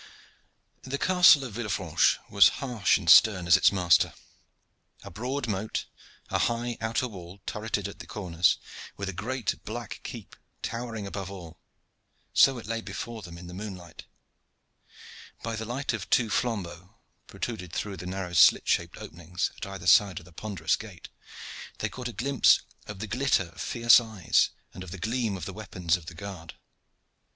The Castle of Villefranche was harsh and stern as its master. A broad moat, a high outer wall turreted at the corners, with a great black keep towering above all so it lay before them in the moonlight. By the light of two flambeaux, protruded through the narrow slit shaped openings at either side of the ponderous gate, they caught a glimpse of the glitter of fierce eyes and of the gleam of the weapons of the guard.